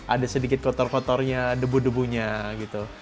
ada sedikit kotor kotornya debu debunya gitu